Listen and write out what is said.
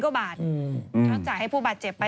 กว่าบาทเขาจ่ายให้ผู้บาดเจ็บไป